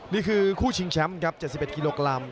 นี่คือคู่ชิงแชมป์ครับ๗๑กิโลกรัม